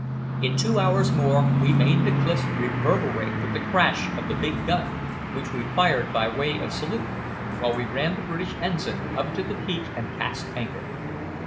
In two hours more we made the cliffs reverberate with the crash of the big gun, which we fired by way of salute, while we ran the British ensign up to the peak and cast anchor.